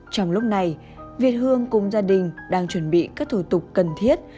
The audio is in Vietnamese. trong lúc này việt hương cùng gia đình đang chuẩn bị các thủ tục cần thiết